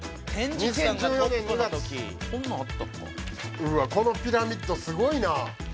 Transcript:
うわっこのピラミッドすごいな。